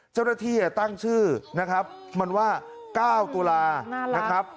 เจ้าหน้าที่ตั้งชื่อนะครับมันว่า๙ตุลานะครับ